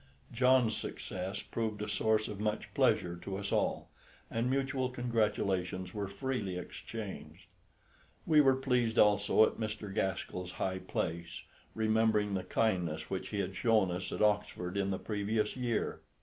John's success proved a source of much pleasure to us all, and mutual congratulations were freely exchanged. We were pleased also at Mr. Gaskell's high place, remembering the kindness which he had shown us at Oxford in the previous year.